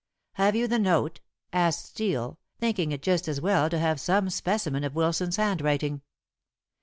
"Have you the note?" asked Steel, thinking it just as well to have some specimen of Wilson's handwriting.